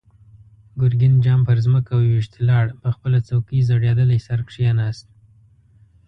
ګرګين جام پر ځمکه و ويشت، لاړ، په خپله څوکۍ زړېدلی سر کېناست.